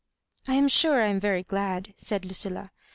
'^^ I am sure I am yery glad," said Lucilla.